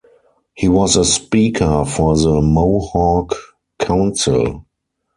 He was a Speaker for the Mohawk Council.